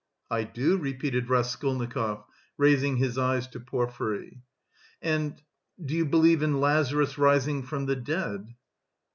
"I do," repeated Raskolnikov, raising his eyes to Porfiry. "And... do you believe in Lazarus' rising from the dead?"